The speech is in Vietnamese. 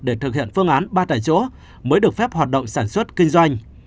để thực hiện phương án ba tại chỗ mới được phép hoạt động sản xuất kinh doanh